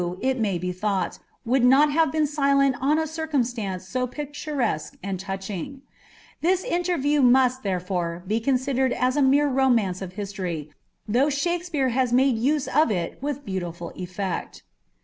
it may be thought, would nol havt been silenl on a circumsutnce so picturesque and touching. Tins inter view must, ilierefiire, be considered as a mere romance of history, ihough Shakapeare has made use of it with beautiful effect.